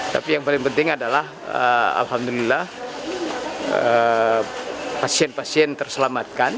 tapi yang paling penting adalah alhamdulillah pasien pasien terselamatkan